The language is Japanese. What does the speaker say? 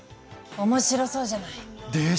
面白そうじゃない！でしょう？